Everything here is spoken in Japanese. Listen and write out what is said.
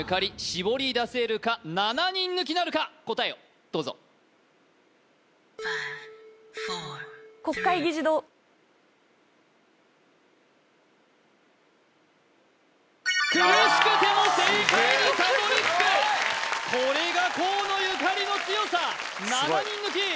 絞り出せるか７人抜きなるか答えをどうぞこれが河野ゆかりの強さ７人抜き